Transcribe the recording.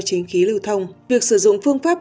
chính khí lưu thông việc sử dụng phương pháp